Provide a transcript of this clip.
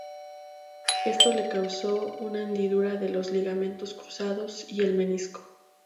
Esto le causó una hendidura de los ligamentos cruzados y el menisco.